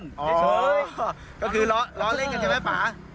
เฉยก็คือล้อเล่นกันใช่ไหมป่า